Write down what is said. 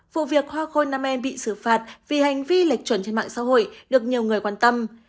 vụ việc hoa khôi nam em bị xử phạt vì hành vi lệch chuẩn trên mạng xã hội được nhiều người quan tâm